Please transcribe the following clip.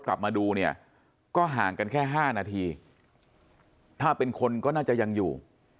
กลับมาดูเนี่ยก็ห่างกันแค่๕นาทีถ้าเป็นคนก็น่าจะยังอยู่